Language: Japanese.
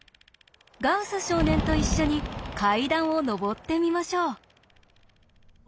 ガウス少年と一緒に階段を上ってみましょう。